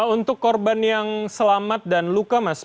untuk korban yang selamat dan luka mas bagaimana kemudian perawatannya di